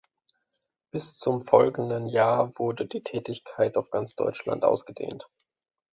Bis zum folgenden Jahr wurde die Tätigkeit auf ganz Deutschland ausgedehnt.